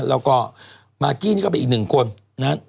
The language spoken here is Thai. แล้วก็มากกี้นี่ก็เป็นอีกหนึ่งคนนะครับ